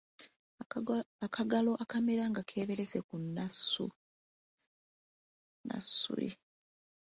Akagalo akamera nga keeberese ku nnassu.